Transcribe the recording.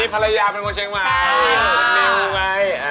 นี่ภรรยาเป็นคนเชียงใหม่